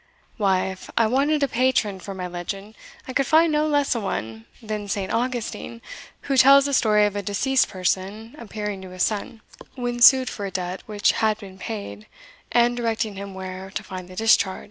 "Why, if I wanted a patron for my legend, I could find no less a one than Saint Augustine, who tells the story of a deceased person appearing to his son, when sued for a debt which had been paid, and directing him where, to find the discharge.